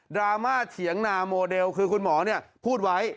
รามาเถียงนาโมเดลคือคุณหมอพูดไว้